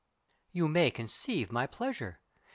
You may conceive my pleasure.